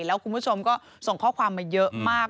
แล้วคุณผู้ชมก็ส่งข้อความมาเยอะมาก